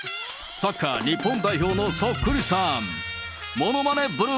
サッカー日本代表のそっくりさん、ものまねブルー。